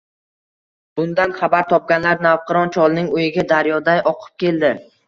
Bundan xabar topganlar navqiron cholning uyiga daryoday oqib keldi